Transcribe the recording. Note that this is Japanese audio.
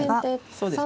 そうですね。